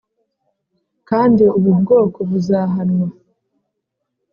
kandi ubu bwoko buzahanwa